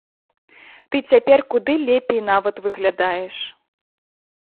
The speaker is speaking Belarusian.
Ты цяпер куды лепей нават выглядаеш.